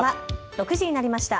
６時になりました。